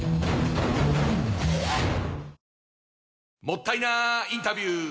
もったいなインタビュー！